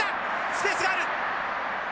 スペースがある。